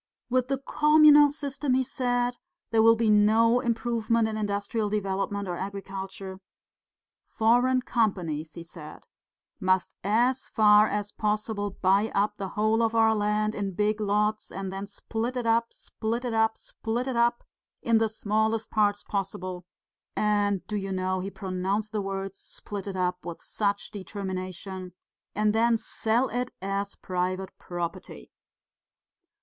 'With the communal system,' he said, 'there will be no improvement in industrial development or agriculture. Foreign companies,' he said, 'must as far as possible buy up the whole of our land in big lots, and then split it up, split it up, split it up, in the smallest parts possible' and do you know he pronounced the words 'split it up' with such determination 'and then sell it as private property.